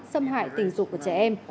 xâm hại tình dục của trẻ em